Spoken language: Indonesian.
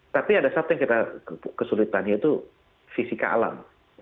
tapi ada satu kesulitannya itu fisika alam